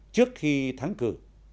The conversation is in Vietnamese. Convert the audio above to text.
trước khi thắng cử